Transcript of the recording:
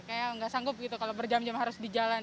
kayak nggak sanggup gitu kalau berjam jam harus di jalan